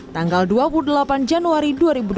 tanggal dua puluh delapan januari dua ribu dua puluh